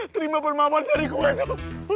terima permohonan dari gue dok